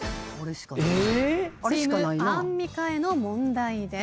チームアンミカへの問題です。